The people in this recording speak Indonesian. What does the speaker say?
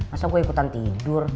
masa gua ikutan tidur